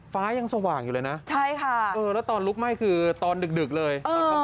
ฟ้ายังสว่างอยู่เลยนะใช่ค่ะแล้วตอนลุกไหม้คือตอนดึกเลย